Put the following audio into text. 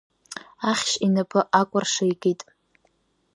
Ахьшь инапы акәрша икит.